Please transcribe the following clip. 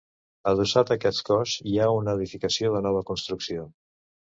Adossat a aquest cos hi ha una edificació de nova construcció.